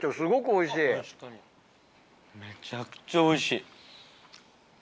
めちゃくちゃおいしい。